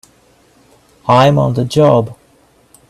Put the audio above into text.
I'm on the job!